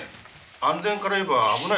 安全からいえば危ないです。